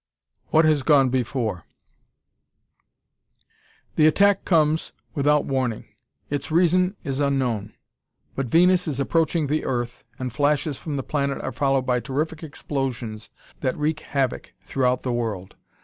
WHAT HAS GONE BEFORE The attack comes without warning; its reason is unknown. But Venus is approaching the earth, and flashes from the planet are followed by terrific explosions that wreak havoc throughout the world.